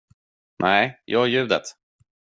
Nej, gör ljudet.